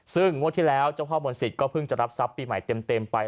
ซึ่งงวดที่แล้วเจ้าพ่อมนศิษย์ก็เพิ่งจะรับทรัพย์ปีใหม่เต็มไป